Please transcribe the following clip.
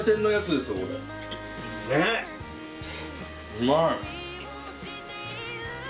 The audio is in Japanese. うまい。